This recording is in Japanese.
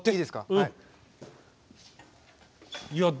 はい。